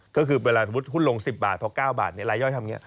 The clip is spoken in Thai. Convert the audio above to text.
ก็คือเวลาหุ้นลง๑๐บาทพอ๙บาทไร้ย่อยทำอย่างนี้